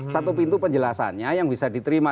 satu pintu penjelasannya yang bisa diterima